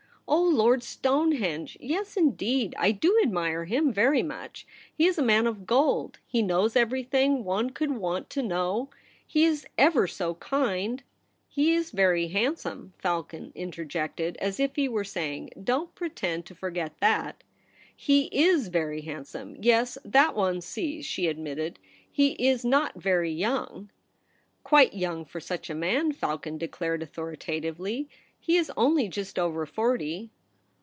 ' Oh, Lord Stonehenge ! yes, indeed. I do admire him very much. He is a man of gold. He knows everything one could want to know. He is ever so kind '' He Is very handsome,' Falcon interjected, as if he were saying, ' Don't pretend to for get that.' * He is very handsome ; yes, that one sees,' she admitted. ' He is not very young.' ' Quite young for such a man,' Falcon de clared authoritatively. * He is only just over forty.'